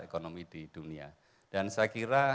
ekonomi di dunia dan saya kira